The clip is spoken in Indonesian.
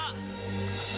pak mada gawat pak